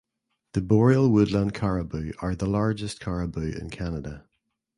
The boreal woodland caribou are the largest caribou in Canada.